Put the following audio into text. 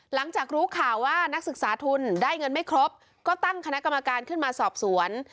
หลังจากรู้ข่าวว่านักศึกษาทุนได้เงินไม่ครบก็ตั้งคณะกรรมการขึ้นมาสอบสวน